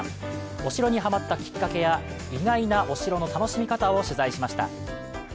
お城にハマッたきっかけや、意外なお城の楽しみ方を取材しました。